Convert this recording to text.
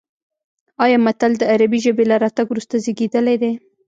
ایا متل د عربي ژبې له راتګ وروسته زېږېدلی دی